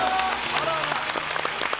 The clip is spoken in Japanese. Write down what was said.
あらら！